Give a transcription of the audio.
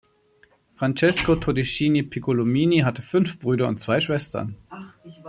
Francesco Todeschini Piccolomini hatte fünf Brüder und zwei Schwestern.